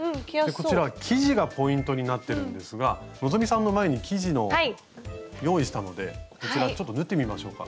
生地がポイントになってるんですが希さんの前に生地の用意したのでこちらちょっと縫ってみましょうか。